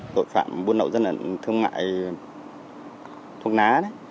tội phạm buôn lậu gian lận thương mại thuốc ná